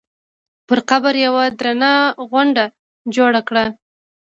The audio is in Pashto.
پر قبر یوه درنه غونډه جوړه کړه.